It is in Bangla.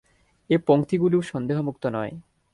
এ পংক্তিগুলোও সন্দেহমুক্ত নয়।